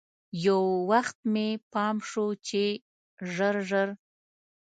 یو وخت مې پام شو چې ژر ژر.